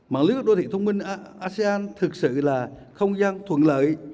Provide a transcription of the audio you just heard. mạng lưới các đô thị thông minh asean thực sự là không gian thuận lợi